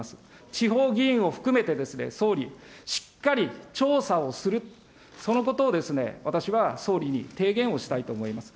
地方議員を含めてですね、総理、しっかり調査をする、そのことを私は総理に提言をしたいと思います。